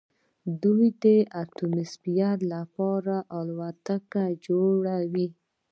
دوی د اتموسفیر لپاره الوتکې جوړوي.